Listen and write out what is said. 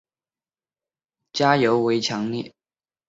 这个观念在大多数天主教徒占多数的国家尤为强烈。